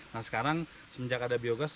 nah sekarang semenjak ada biogas